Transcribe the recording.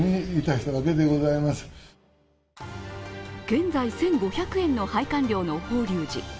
現在１５００円の拝観料の法隆寺。